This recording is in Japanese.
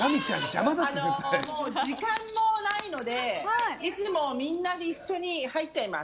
時間もないのでいつもみんなで一緒に入っちゃいます。